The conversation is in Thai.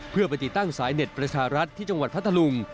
เพื่อไปติดตั้งสายเด็ดประชารัฐที่จังหวัดพัทธลุง